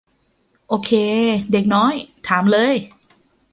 โอเคเด็กน้อย ถามเลย